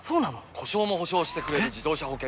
故障も補償してくれる自動車保険といえば？